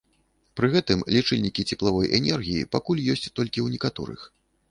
Пры гэтым лічыльнікі цеплавой энергіі пакуль ёсць толькі ў некаторых.